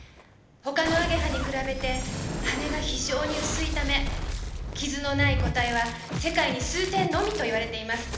他のアゲハに比べて羽が非常に薄いため傷のない個体は世界に数点のみと言われています。